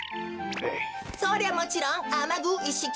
そりゃもちろんあまぐいっしき。